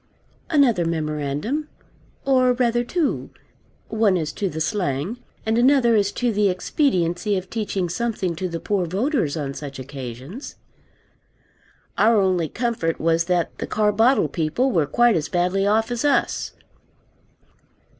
Another memorandum or rather two, one as to the slang, and another as to the expediency of teaching something to the poor voters on such occasions. Our only comfort was that the Carbottle people were quite as badly off as us.